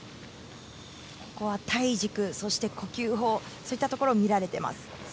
ここは体軸、呼吸法そういったところが見られています。